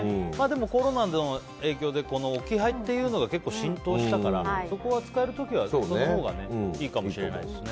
コロナの影響で置き配は結構浸透したからそこは使える時は使うほうがいいかもしれないですね。